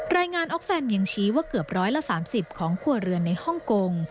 งานออกแฟมยังชี้ว่าเกือบร้อยละ๓๐ของครัวเรือนในฮ่องกง